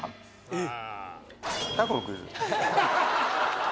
えっ。